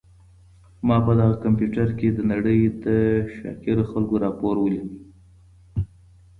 ما په دغه کمپیوټر کي د نړۍ د شاکرو خلکو راپور ولیکلی.